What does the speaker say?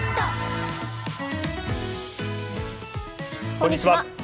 こんにちは。